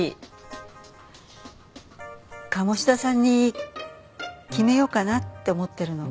私鴨志田さんに決めようかなって思ってるの。